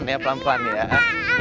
iya iya pelan pelan ya pelan pelan ya